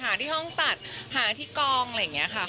ที่ห้องตัดหาที่กองอะไรอย่างนี้ค่ะ